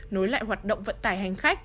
nối lại hoạt động vận tải hành khách